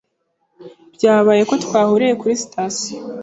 Byabaye ko twahuriye kuri sitasiyo.